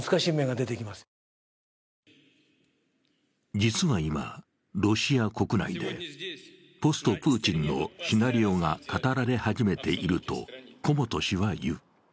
実は今、ロシア国内でポスト・プーチンのシナリオが語られ始めていると古本氏は言う。